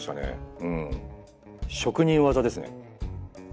うん職人技ですね。